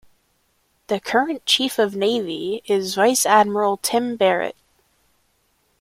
The current Chief of Navy is Vice Admiral Tim Barrett.